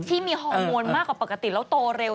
ที่มีฮอร์โมนมากกว่าปกติแล้วโตเร็ว